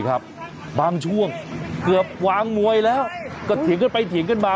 บางช่วงเกือบวางมวยแล้วก็เถียงกันไปเถียงกันมา